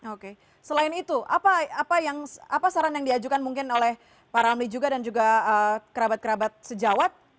oke selain itu apa saran yang diajukan mungkin oleh pak ramli juga dan juga kerabat kerabat sejawat